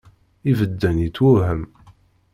Ibedden yetwehhem